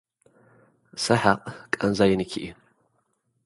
ሰሓቕ ቃንዛ ይንኪ እዩ።